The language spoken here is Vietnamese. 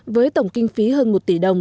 với tổng kinh phí hơn một tỷ đồng